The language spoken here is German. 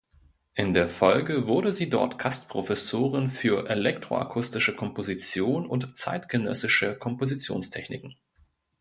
In der Folge wurde sie dort Gastprofessorin für elektroakustische Komposition und zeitgenössische Kompositionstechniken.